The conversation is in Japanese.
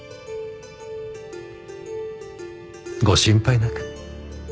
ご心配なく。